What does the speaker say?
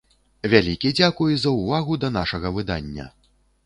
Вялікі дзякуй за ўвагу да нашага выдання.